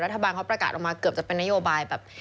รัฐบาลเขาประกาศออกมาเกือบจะเป็นนโยบายแบบ